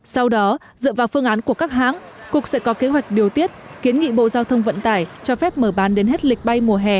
sau đó dựa vào phương án của các hãng cục sẽ có kế hoạch điều tiết kiến nghị bộ giao thông vận tải cho phép mở bán đến hết lịch bay mùa hè hai nghìn hai mươi